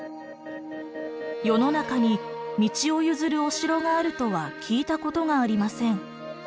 「世の中に道を譲るお城があるとは聞いたことがありません。